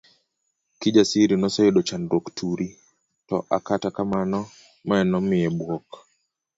Kijasiri noseyudo chandruok turi, to akata kamano mae nomiye buok.